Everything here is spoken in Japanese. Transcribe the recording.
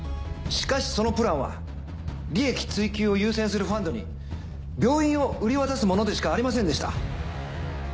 しかしそのプランは利益追求を優先するファンドに病院を売り渡すものでしかありませんでした。